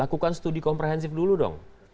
lakukan studi komprehensif dulu dong